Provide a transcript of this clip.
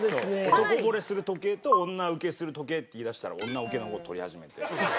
男惚れする時計と女ウケする時計って言い出したら女ウケの方取り始めて。